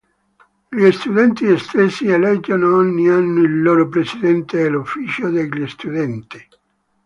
Gli studenti stessi eleggono ogni anno il loro Presidente e l'Ufficio degli Studenti.